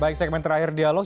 baik segmen terakhir dialog